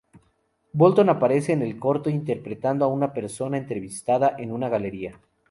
Bolton aparece en el corto interpretando a una persona entrevistada en una galería.